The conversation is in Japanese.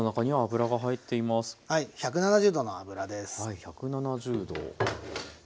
１７０℃。